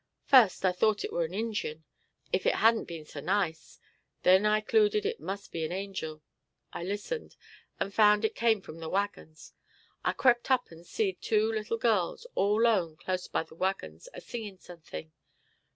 Fust, I thought it war an Injin, ef it hadn't been so nice; then I 'cluded it must be an angel. I listened, and found it came from the wagons. I crept up and seed two little girls all 'lone clus by the wagons, a singin' sunkthin'.